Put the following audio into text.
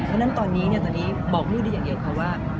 เพราะฉะนั้นตอนนี้ตอนนี้บอกลูกได้อย่างเดียวค่ะว่า